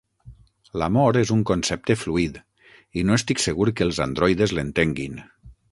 L'amor és un concepte fluid, i no estic segur que els androides l'entenguin.